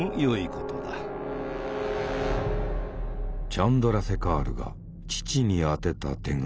チャンドラセカールが父に宛てた手紙。